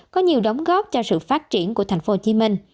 có nhiều đóng góp cho sự phát triển của tp hcm